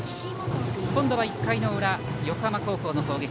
今度は１回の裏、横浜高校の攻撃。